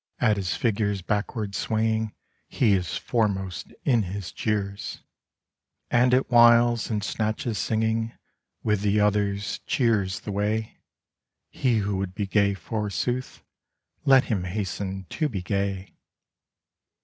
At his figure's backward swaying He is foremost in his jeers ; And at whiles, in snatches singing With the others, cheers the way : He who would be gay, forsooth. Let him hasten to be gay.